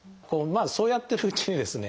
そうやってるうちにですね